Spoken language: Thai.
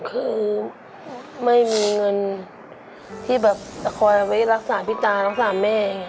คือไม่มีเงินที่แบบจะคอยไว้รักษาพี่ตารักษาแม่